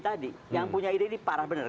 tadi yang punya ide ini parah benar